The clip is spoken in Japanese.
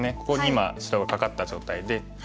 ここに今白がカカった状態で。